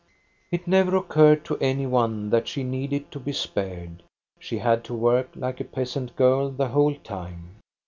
It never occurred to any one that she needed to be spared ; she had to work like a peasant girl the whole time.